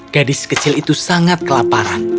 gadis kecil itu sangat kelaparan